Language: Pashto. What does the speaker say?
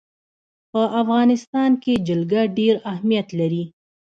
په افغانستان کې جلګه ډېر اهمیت لري.